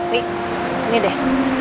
rik sini deh